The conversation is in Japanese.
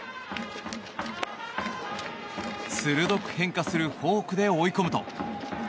鋭く変化するフォークで追い込むと。